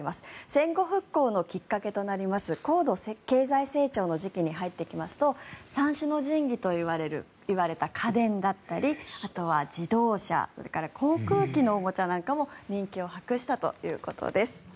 戦後復興のきっかけとなります高度経済成長の時期に入りますと三種の神器といわれた家電だったりあとは自動車、それから航空機のおもちゃなんかも人気を博したということです。